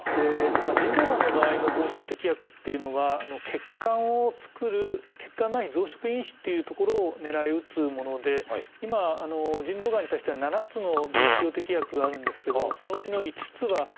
腎臓がんの場合の分子標的薬っていうのは血管を作る「血管内皮増殖因子」という所を狙い撃つもので今腎臓がんに対しては７つの分子標的薬があるんですけどそのうちの５つは血管を標的としたものです。